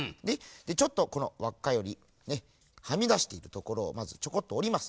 でちょっとこのわっかよりねはみだしているところをまずちょこっとおります。